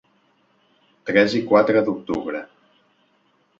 Tres i quatre d’octubre.